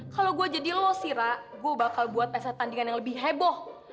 kalau gue jadi lo si rat gue bakal buat pesta tandingan yang lebih heboh